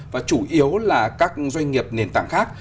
và chủ yếu là các doanh nghiệp nền tảng khác